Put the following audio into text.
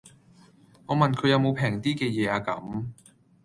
我問佢有無平啲既野呀咁